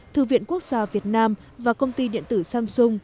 thư viện quốc gia việt nam và công ty điện tử samsung